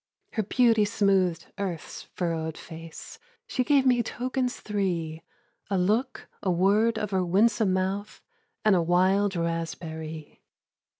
Her beauty smoothed earth's furrowed face! She gave me tokens three: A look, a word of her winsome mouth, And a wild raspberry.